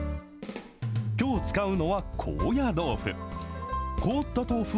きょう使うのは高野豆腐。